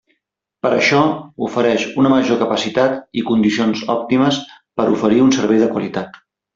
Per això, ofereix una major capacitat i condicions òptimes per oferir un servei de qualitat.